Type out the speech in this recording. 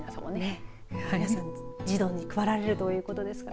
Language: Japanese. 皆さん児童に配られるということですから。